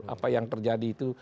apa yang terjadi itu